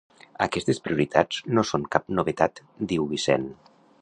Aquestes prioritats no són cap novetat –diu Vicent–.